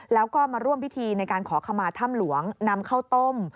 แล้วก็มาร่วมพิธีในการขอขมาถ้ำหลวงนำข้าวต้ม